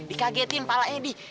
dikagetin kepala di